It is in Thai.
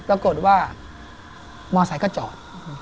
ปรากฏว่ามอไซค์ก็จอด